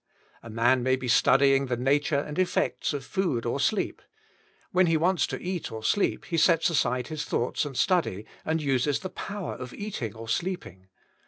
A man may be studying the nature and effects of food or sleep ; when he wants to eat or sleep he sets aside his thoughts and study, and uses the power of eating or sleeping.